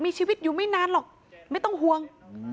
มีชีวิตอยู่ไม่นานหรอกไม่ต้องห่วง